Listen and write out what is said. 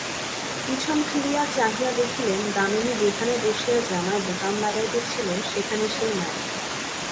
পিছন ফিরিয়া চাহিয়া দেখিলেন, দামিনী যেখানে বসিয়া জামায় বোতাম লাগাইতেছিল সেখানে সে নাই।